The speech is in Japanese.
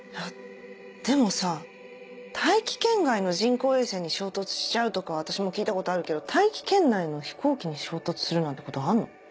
でもさ大気圏外の人工衛星に衝突しちゃうとかは私も聞いたことあるけど大気圏内の飛行機に衝突するなんてことあるの？